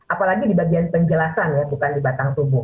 apalagi di bagian penjelasan ya bukan di batang tubuh